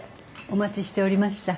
お待ちしておりました。